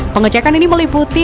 pengecekan ini meliputi